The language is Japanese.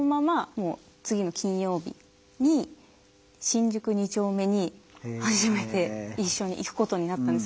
もう次の金曜日に新宿二丁目に初めて一緒に行くことになったんですよ。